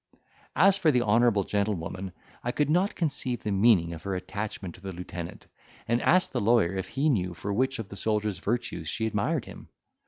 As for the honourable gentlewoman I could not conceive the meaning of her attachment to the lieutenant; and asked the lawyer if he knew for which of the soldier's virtues she admired him?